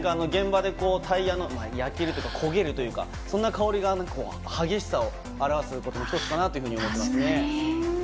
現場でタイヤの、焼ける焦げるというかそんな香りが激しさを表すことの１つかなと思っています。